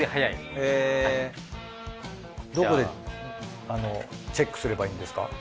へぇどこでチェックすればいいんですか？